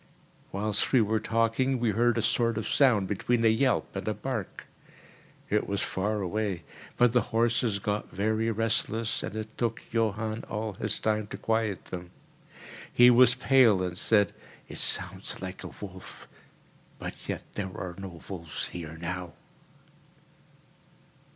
Whilst we were talking, we heard a sort of sound between a yelp and a bark. It was far away; but the horses got very restless, and it took Johann all his time to quiet them. He was pale, and said, "It sounds like a wolf—but yet there are no wolves here now."